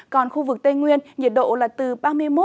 còn khu vực tây nguyên nhiệt độ là từ ba mươi một ba mươi ba độ